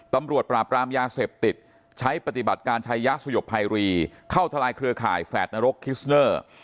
ปราบรามยาเสพติดใช้ปฏิบัติการชายะสยบภัยรีเข้าทลายเครือข่ายแฝดนรกคิสเนอร์